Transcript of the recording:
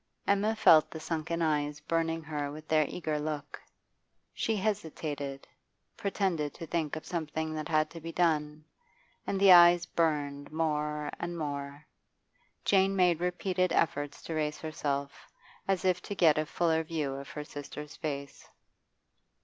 Emma felt the sunken eyes burning her with their eager look. She hesitated, pretended to think of something that had to be done, and the eyes burned more and more. Jane made repeated efforts to raise herself, as if to get a fuller view of her sister's face.